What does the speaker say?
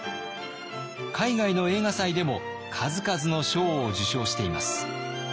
海外の映画祭でも数々の賞を受賞しています。